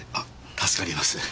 助かります。